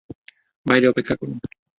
বাইরে অপেক্ষা করুন।